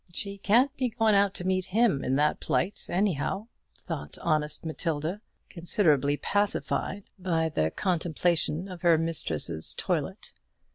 "She can't be going to meet him in that plight, anyhow," thought honest Matilda, considerably pacified by the contemplation of her mistress's toilette.